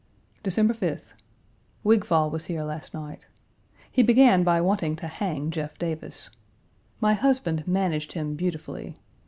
December 5th. Wigfall was here last night. He began by wanting to hang Jeff Davis. My husband managed him beautifully.